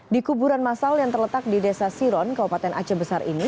di kuburan masal yang terletak di desa siron kabupaten aceh besar ini